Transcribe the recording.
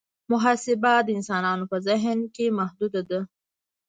محاسبه د انسانانو په ذهن کې محدوده وه.